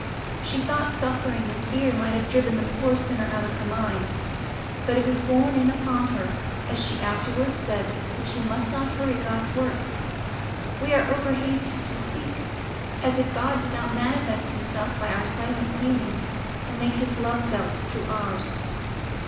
She thought suffering and fear might have driven the poor sinner out of her mind. But it was borne in upon her, as she afterwards said, that she must not hurry God's work: we are overhasty to speak—as if God did not manifest himself by our silent feeling, and make his love felt through ours.